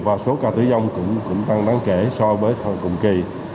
và số ca tử vong cũng tăng đáng kể so với cùng kỳ